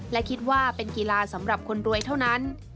และคิดว่าเป็นกีฬาสำหรับคนรวยเท่านั้น